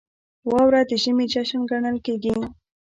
• واوره د ژمي جشن ګڼل کېږي.